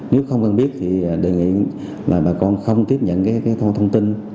nếu không cần biết thì đề nghị là bà con không tiếp nhận thông tin